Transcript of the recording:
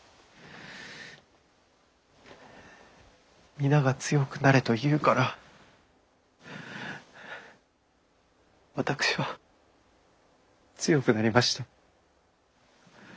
皆が強くなれと言うから私は強くなりました。